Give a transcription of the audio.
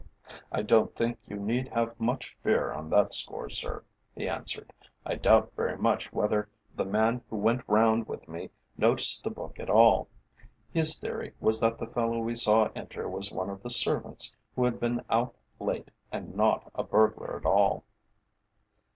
"I don't think you need have much fear on that score, sir," he answered. "I doubt very much whether the man who went round with me noticed the book at all. His theory was that the fellow we saw enter was one of the servants who had been out late, and not a burglar at all."